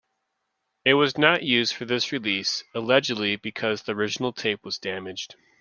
It was not used for this release, allegedly because the original tape was damaged.